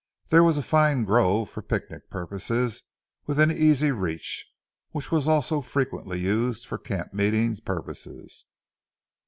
There was a fine grove for picnic purposes within easy reach, which was also frequently used for camp meeting purposes.